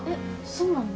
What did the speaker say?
そうなの？